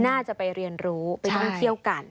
น่าจะไปเรียนรู้ไปท่องเที่ยวกัน